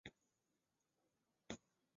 也将此类归类于岩黄蓍属。